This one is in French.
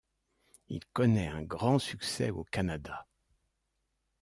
Il connaît un grand succès au Canada.